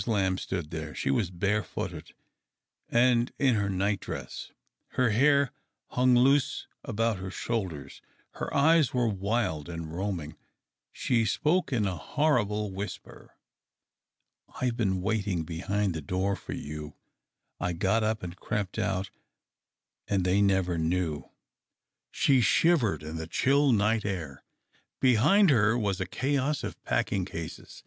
Lamb stood there. She was bare footed, and in her nightdress ; her hair hung loose about her shoulders ; her eyes were wild and roaming ; she spoke in a horrible whisper. " I've been waiting liehind the door for you. I got up and crept out, and they never knew." She shivered in the chill night air. Behind her was a chaos of packing cases.